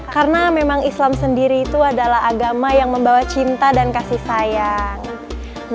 karena memang islam sendiri itu adalah agama yang membawa cinta dan kasih sayang